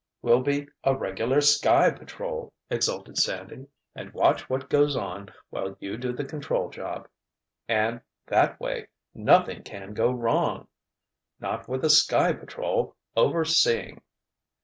"We'll be a regular Sky Patrol!" exulted Sandy. "And watch what goes on while you do the control job—and, that way—nothing can go wrong!" "Not with the Sky Patrol 'over' seeing!"